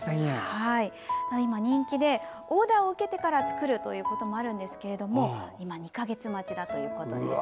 今、人気でオーダーを受けてから作るということもあるんですが２か月待ちだそうです。